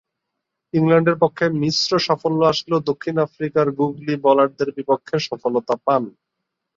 ইংল্যান্ডের পক্ষে মিশ্র সাফল্য আসলেও দক্ষিণ আফ্রিকার গুগলি বোলারদের বিপক্ষে সফলতা পান।